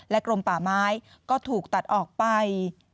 กรมป่าไม้ก็ถูกตัดออกไป